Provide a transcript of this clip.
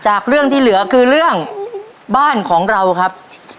จากเรื่องที่เหลือคือเรื่องบ้านของเราครับ